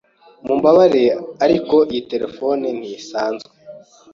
Mumbabarire, ariko iyi terefone ntisanzwe.